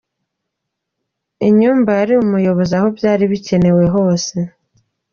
Inyumba yari umuyobozi aho byari bikenewe hose